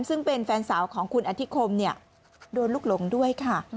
ซึ่งเป็นแฟนสาวของคุณอธิคมโดนลูกหลงด้วยค่ะ